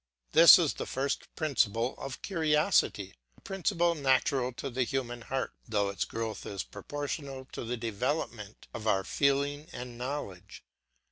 This is the first principle of curiosity; a principle natural to the human heart, though its growth is proportional to the development of our feeling and knowledge.